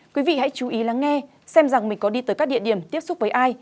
quý vị hãy chú ý lắng nghe xem rằng mình có đi tới các địa điểm tiếp xúc với ai